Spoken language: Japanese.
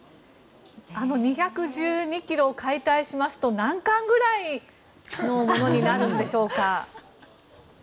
２１２ｋｇを解体しますと何貫ぐらいになるんでしょうか？